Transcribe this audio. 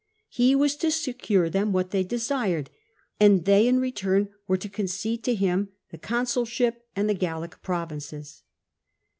He was to secure them what they desired, and they, in return, were to concede to him the consulship and the Gallic Provinces.